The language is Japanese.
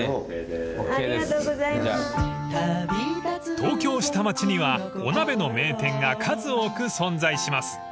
［東京下町にはお鍋の名店が数多く存在します］